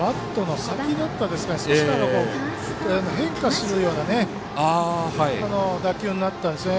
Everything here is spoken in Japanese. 少し変化するような打球になったですね。